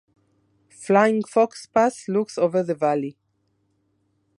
Flying Fox Pass looks over the valley.